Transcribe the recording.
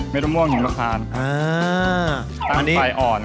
ไม่ต้องม่วงอยู่ก็ทาน